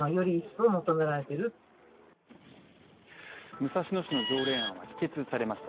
武蔵野市の条例案は否決されました。